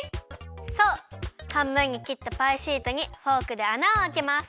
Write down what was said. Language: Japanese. そうはんぶんにきったパイシートにフォークであなをあけます。